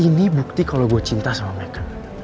ini bukti kalo gua cinta sama meka